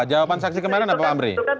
jawaban saksi kemarin apa amri